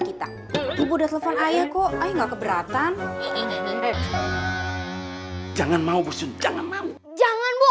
kita ibu gak telepon ayah kok tapi gak keberatan ngget jangan mau mus inviang jalan buk